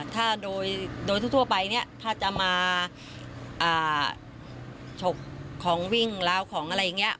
ถ้าโดยทั่วไปเนี่ยถ้าจะมาฉกของวิ่งล้าวของอะไรอย่างนี้